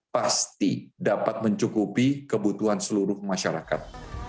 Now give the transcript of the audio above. pasti dapat mencukupi kebutuhan seluruh masyarakat